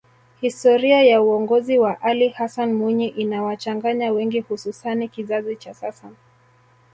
historia ya uongozi wa Alli Hassani Mwinyi inawachanganya wengi hususani kizazi cha sasa